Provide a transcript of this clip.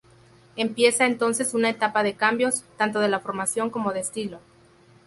Empieza entonces una etapa de cambios, tanto de la formación como de estilo.